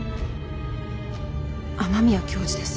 雨宮教授です。